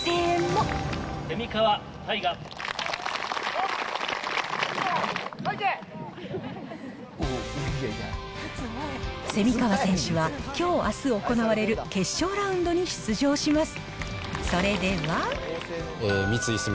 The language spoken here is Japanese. よっ、蝉川選手は、きょう、行われる決勝ラウンドに出場します。